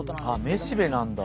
あ雌しべなんだ。